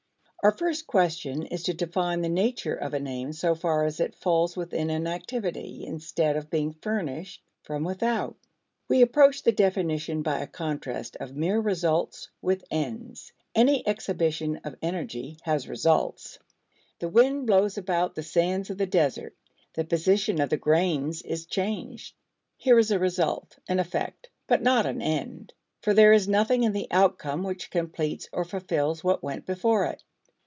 Our first question is to define the nature of an aim so far as it falls within an activity, instead of being furnished from without. We approach the definition by a contrast of mere results with ends. Any exhibition of energy has results. The wind blows about the sands of the desert; the position of the grains is changed. Here is a result, an effect, but not an end. For there is nothing in the outcome which completes or fulfills what went before it.